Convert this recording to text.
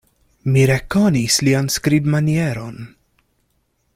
Mi rekonis lian skribmanieron.